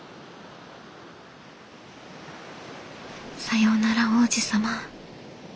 「さようなら王子様。